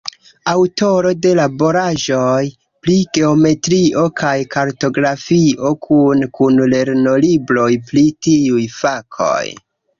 Aŭtoro de laboraĵoj pri geometrio kaj kartografio kune kun lernolibroj pri tiuj fakoj.